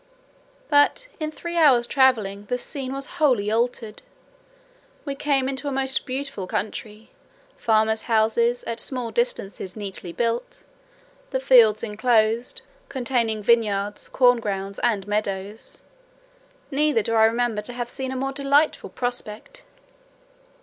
But, in three hours travelling, the scene was wholly altered; we came into a most beautiful country; farmers' houses, at small distances, neatly built; the fields enclosed, containing vineyards, corn grounds, and meadows. Neither do I remember to have seen a more delightful prospect.